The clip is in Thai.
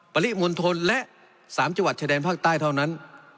ปริมณฑลและ๓จัวร์ชดันภาคใต้เท่านั้น